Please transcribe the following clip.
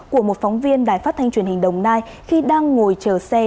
của một phóng viên đài phát thanh truyền hình đồng nai khi đang ngồi chờ xe